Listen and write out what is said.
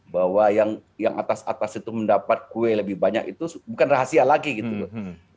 bahwa yang atas atas itu mendapat kue lebih banyak itu bukan rahasia lagi gitu loh